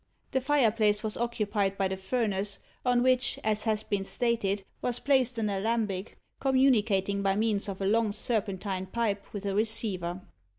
The fireplace was occupied by the furnace, on which, as has been stated, was placed an alembic, communicating by means of a long serpentine pipe with a receiver.